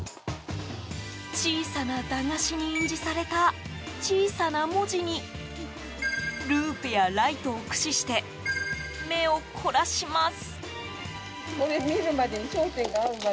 小さな駄菓子に印字された小さな文字にルーペやライトを駆使して目を凝らします。